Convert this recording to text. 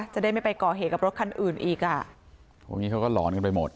จะได้ไม่ไปก่อเหตุกับรถคันอื่นอีกอ่ะผมงี้เขาก็หลอนกันไปหมด